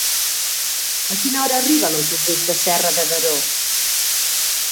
A quina hora arriba l'autobús de Serra de Daró?